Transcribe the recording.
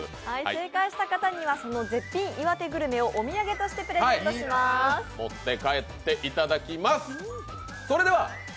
正解した方には絶品岩手グルメをお土産としてプレゼントします。